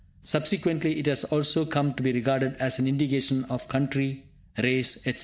Subsequently it has also come to be regarded as an indication of country, race etc.